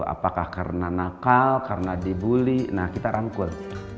apakah karena nakal karena dibully nah kita rangkul